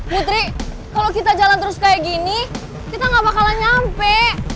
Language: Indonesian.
putri kalau kita jalan terus kayak gini kita gak bakalan nyampe